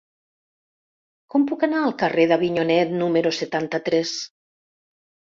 Com puc anar al carrer d'Avinyonet número setanta-tres?